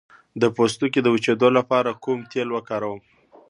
د پوستکي د وچیدو لپاره کوم تېل وکاروم؟